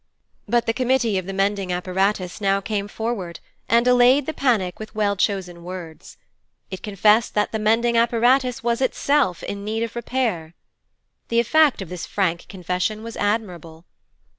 But the Committee of the Mending Apparatus now came forward, and allayed the panic with well chosen words. It confessed that the Mending Apparatus was itself in need of repair. The effect of this frank confession was admirable.